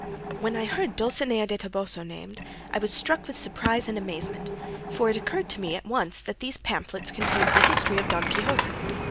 '" When I heard Dulcinea del Toboso named, I was struck with surprise and amazement, for it occurred to me at once that these pamphlets contained the history of Don Quixote.